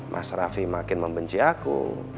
mas raffi makin membenci aku